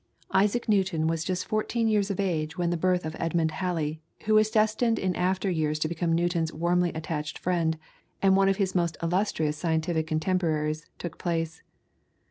Isaac Newton was just fourteen years of age when the birth of Edmund Halley, who was destined in after years to become Newton's warmly attached friend, and one of his most illustrious scientific contemporaries, took place.